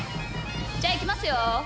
じゃいきますよ！